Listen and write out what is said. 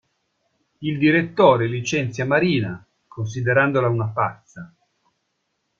Il direttore licenzia Marina, considerandola una pazza.